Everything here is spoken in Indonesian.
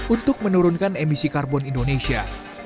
untuk menurunkan emisi karbon indonesia